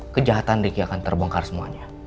kejahatan riki akan terbongkar semuanya